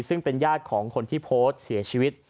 ซึ่งเป็นญาติของคนที่โพสต์เสียชีวิต